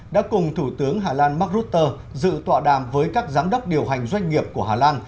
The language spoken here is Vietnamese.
đã cùng thủ tướng hà lan mark rutte dự tọa đàm với các giám đốc điều hành doanh nghiệp của hà lan